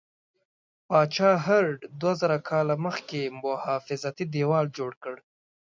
پاچا هرډ دوه زره کاله مخکې محافظتي دیوال جوړ کړ.